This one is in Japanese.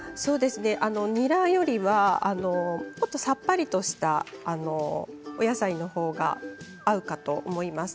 ニラよりはもっとさっぱりとしたお野菜の方が合うかと思います。